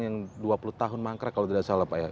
yang dua puluh tahun mangkrak kalau tidak salah pak ya